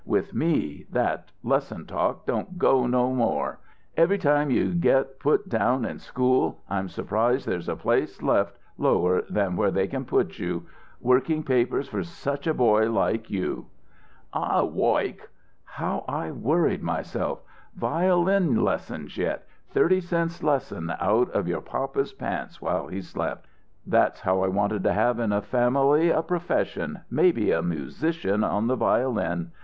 With me, that lessons talk don't go no more. Every time you get put down in school, I'm surprised there's a place left lower where they can put you. Working papers for such a boy like you!" "I'll woik " "How I worried myself! Violin lessons yet thirty cents lesson out of your papa's pants while he slept! That's how I wanted to have in the family a profession maybe a musician on the violin.